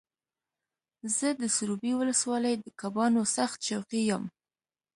زه د سروبي ولسوالۍ د کبانو سخت شوقي یم.